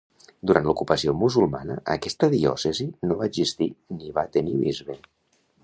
Durant l'ocupació musulmana aquesta diòcesi no va existir ni va tenir bisbe